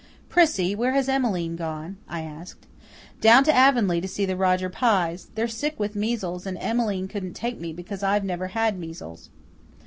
"Prissy, where has Emmeline gone?" I asked. "Down to Avonlea to see the Roger Pyes. They're sick with measles, and Emmeline couldn't take me because I've never had measles."